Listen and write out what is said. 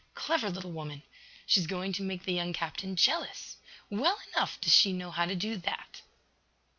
Clever little woman! She is going to make the young captain jealous! Well enough does she know how to do that!"